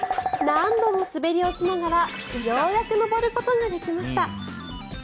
何度も滑り落ちながらようやく上ることができました。